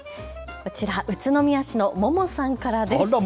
こちら宇都宮市のモモさんからです。